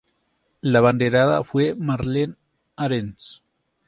La abanderada fue Marlene Ahrens.